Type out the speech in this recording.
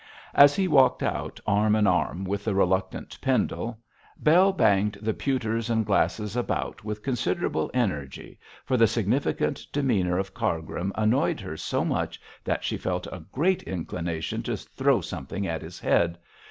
As he walked out arm in arm with the reluctant Pendle, Bell banged the pewters and glasses about with considerable energy, for the significant demeanour of Cargrim annoyed her so much that she felt a great inclination to throw something at his head.